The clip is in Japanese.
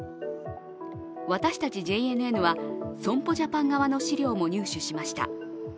私たちＪＮＮは損保ジャパン側の資料も入手しました。